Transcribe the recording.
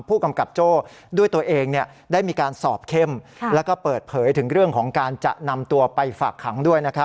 ผู้กำกับโจ้ด้วยตัวเองได้มีการสอบเข้มแล้วก็เปิดเผยถึงเรื่องของการจะนำตัวไปฝากขังด้วย